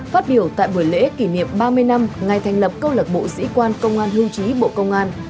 phát biểu tại buổi lễ kỷ niệm ba mươi năm ngày thành lập câu lạc bộ sĩ quan công an hưu trí bộ công an